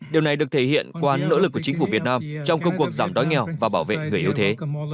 điều này được thể hiện qua nỗ lực của chính phủ việt nam trong công cuộc giảm đói nghèo và bảo vệ người yếu thế